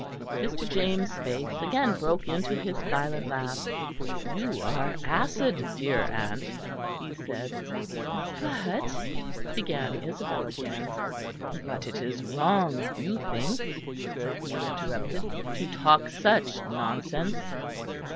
Mr. James' face again broke into his silent laugh. "You are acid, dear aunt," he said. "But " began Isabel again. "But it is wrong, you think," he interrupted, "to talk such nonsense.